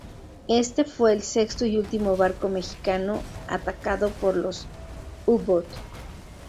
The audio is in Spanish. Éste fue el sexto y último barco mexicano atacado por los U-Boot.